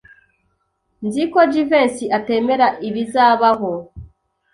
Nzi ko Jivency atemera ibizabaho.